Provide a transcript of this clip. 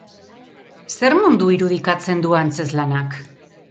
Zer mundu irudikatzen du antzezlanak?